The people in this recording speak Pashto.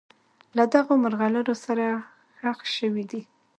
له دغو مرغلرو سره ښخ شوي دي.